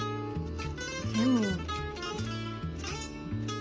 でも。